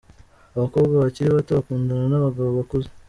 Abakobwa bakiri bato bakundana n’abagabo bakuze.